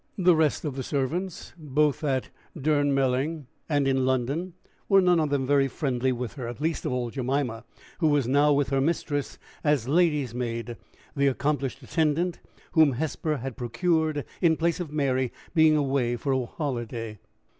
The rest of the servants, both at Durnmelling and in London, were none of them very friendly with her least of all Jemima, who was now with her mistress as lady's maid, the accomplished attendant whom Hesper had procured in place of Mary being away for a holiday.